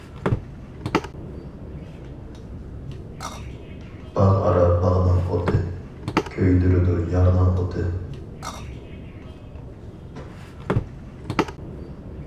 باغ ئارا باغنىڭ ئوتى، كۆيدۈرىدۇ يارنىڭ ئوتى.